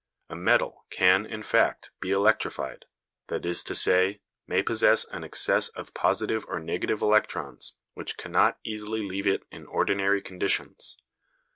A metal can, in fact, be electrified, that is to say, may possess an excess of positive or negative electrons which cannot easily leave it in ordinary conditions.